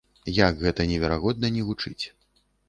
Як гэта неверагодна ні гучыць.